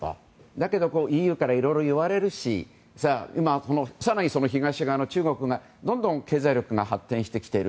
だけどＥＵからいろいろ言われるし更に東側の中国が、どんどん経済力が発展してきている。